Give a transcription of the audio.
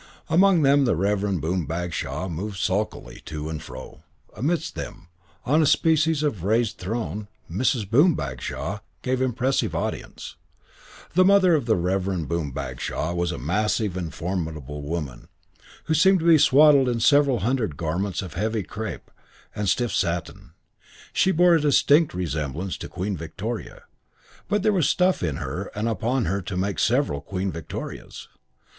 Among them the Reverend Boom Bagshaw moved sulkily to and fro; amidst them, on a species of raised throne, Mrs. Boom Bagshaw gave impressive audience. The mother of the Reverend Boom Bagshaw was a massive and formidable woman who seemed to be swaddled in several hundred garments of heavy crêpe and stiff satin. She bore a distinct resemblance to Queen Victoria; but there was stuff in her and upon her to make several Queen Victorias.